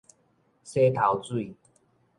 洗頭水